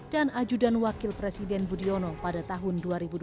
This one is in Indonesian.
dan ajudan wakil presiden budhiyono pada tahun dua ribu dua belas